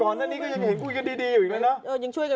ก่อนหน้านี้ก็จะเห็นพูดกันดีอีกเลยนะ